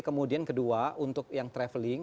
kemudian kedua untuk yang traveling